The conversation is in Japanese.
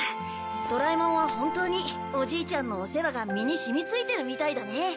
ドラえもんは本当におじいちゃんのお世話が身に染みついてるみたいだね。